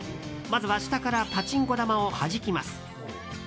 まずは下からパチンコ玉をはじきます。